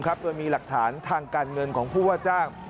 โดยมีหลักฐานทางการเงินของผู้ว่าจ้าง